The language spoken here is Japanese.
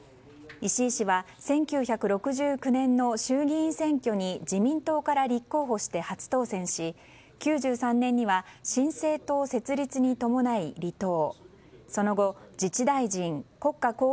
石井氏は１９６９年の衆議院選挙に自民党から立候補して初当選し９３年には新生党設立に伴い離党。